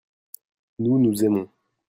nous, nous aimons.